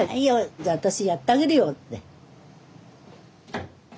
じゃあ私やってあげるよって。